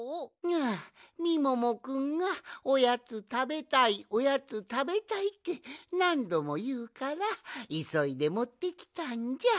ああみももくんが「おやつたべたいおやつたべたい」ってなんどもいうからいそいでもってきたんじゃ。